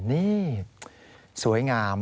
นี่สวยงาม